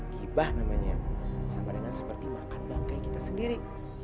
kibah namanya sama dengan seperti makan bangkai kita sendiri